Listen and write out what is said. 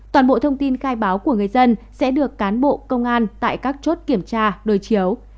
toàn bộ thông tin khai báo của người dân sẽ được cán bộ công an tại các chốt kiểm tra đối chiếu